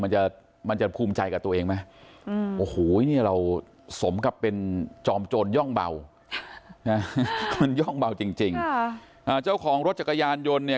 มันจะมันจะภูมิใจกับตัวเองไหมเราสมกับเป็นจอมโจณโย่งเบาโจมเบาจริงของรถจักรยายนยนต์